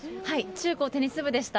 中高テニス部でした。